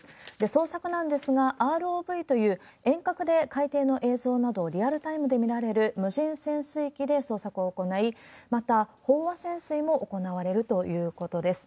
捜索なんですが、ＲＯＶという、遠隔で海底の映像などをリアルタイムで見られる無人潜水機で捜索を行い、また、飽和潜水も行われるということです。